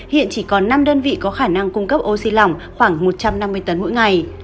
hiện chỉ còn năm đơn vị có khả năng cung cấp oxy lỏng khoảng một trăm năm mươi tấn mỗi ngày